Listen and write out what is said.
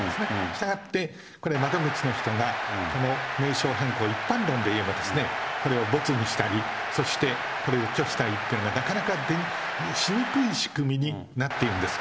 したがって、これ窓口の人が、この名称変更、一般論で言えばこれをぼつにしたり、そしてこれを拒否したりっていうのが、なかなかしにくい仕組みになっているんです。